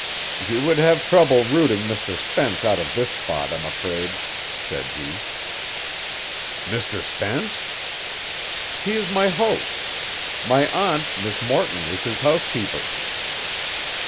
"You would have trouble rooting Mr. Spence out of this spot, I'm afraid," said he. "Mr. Spence?" "He is my host. My aunt, Miss Morton, is his housekeeper."